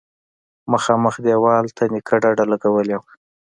مخامخ دېوال ته نيکه ډډه لگولې وه.